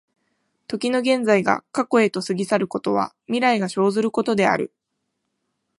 時の現在が過去へと過ぎ去ることは、未来が生ずることである。